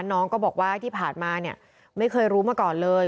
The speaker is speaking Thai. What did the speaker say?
น้องก็บอกว่าที่ผ่านมาเนี่ยไม่เคยรู้มาก่อนเลย